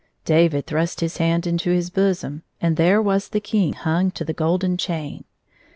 David thrust his hand into his bosom, and there was the key hung to the golden chain.